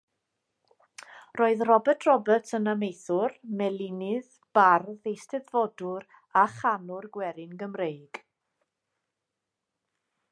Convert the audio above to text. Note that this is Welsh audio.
Roedd Robert Roberts yn amaethwr, melinydd, bardd, eisteddfodwr a chanwr gwerin Gymreig.